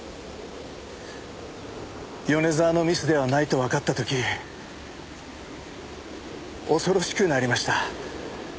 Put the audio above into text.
米沢のミスではないとわかった時恐ろしくなりました。